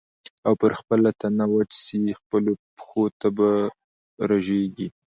او پر خپله تنه وچ سې خپلو پښو ته به رژېږې